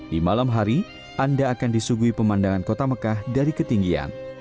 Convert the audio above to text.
di malam hari anda akan disuguhi pemandangan kota mekah dari ketinggian